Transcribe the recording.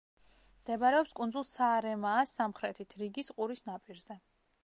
მდებარეობს კუნძულ საარემაას სამხრეთით რიგის ყურის ნაპირზე.